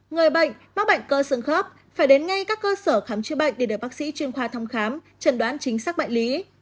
người bệnh mắc bệnh cơ xương khớp phải đến ngay các cơ sở khám chữa bệnh để được bác sĩ chuyên khoa thăm khám chẩn đoán chính xác bệnh lý